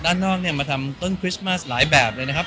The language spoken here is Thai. ด้านนอกเนี่ยมาทำต้นคริสต์มัสหลายแบบเลยนะครับ